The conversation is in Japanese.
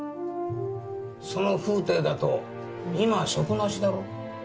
その風体だと今は職なしだろ？